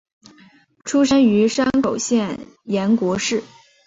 出身于山口县岩国市。